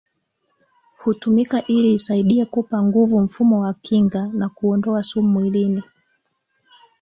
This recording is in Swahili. Hutumika ili isaidie kuupa nguvu mfumo wa kinga na kuondoa sumu mwilini